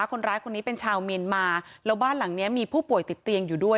คนร้ายคนนี้เป็นชาวเมียนมาแล้วบ้านหลังเนี้ยมีผู้ป่วยติดเตียงอยู่ด้วย